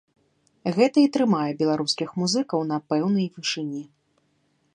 Гэта і трымае беларускіх музыкаў на пэўнай вышыні.